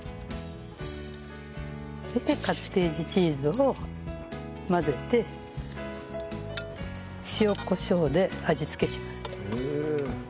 それでカッテージチーズを混ぜて塩コショウで味付けします。